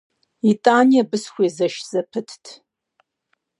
ИтӀани абы сыхуэзэш зэпытт.